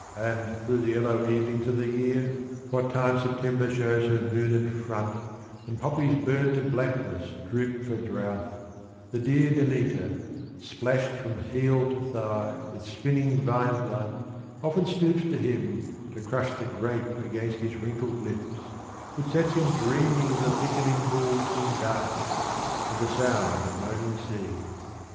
And, through the yellow evenings of the year, What time September shows her mooned front And poppies burnt to blackness droop for drouth, The dear Demeter, splashed from heel to thigh With spinning vine blood, often stoops to him To crush the grape against his wrinkled lips Which sets him dreaming of the thickening wolves In darkness, and the sound of moaning seas.